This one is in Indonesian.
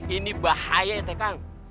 ini bahaya ya teh kang